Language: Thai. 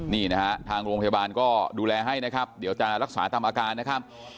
นี่นะฮะทางโรงพยาบาลก็ดูแลให้นะครับเดี๋ยวจะรักษาตามอาการนะครับ